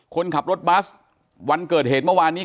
คนขับรถบัสวันเกิดเหตุเมื่อวานนี้